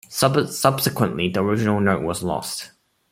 Subsequently, the original note was lost.